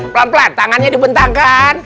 pelan pelan tangannya dibentangkan